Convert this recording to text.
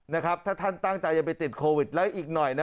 นะครับถ้าท่านตั้งใจจะไปติดโควิดแล้วอีกหน่อยนะ